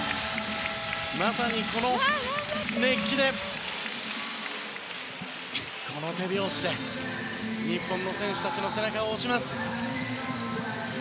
まさにこの熱気でこの手拍子で日本の選手たちの背中を押します。